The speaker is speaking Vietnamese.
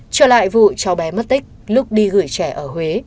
trở lại vụ cháu bé mất tích lúc đi gửi trẻ ở huế